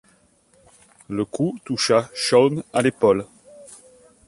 Le coup toucha Shawn à l'épaule.